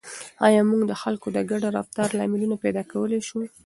آیا موږ د خلکو د ګډ رفتار لاملونه پیدا کولای شو؟